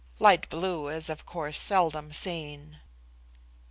Light blue is of course seldom seen.